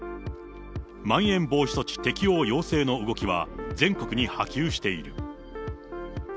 まん延防止措置適用要請の動きは、全国に波及している。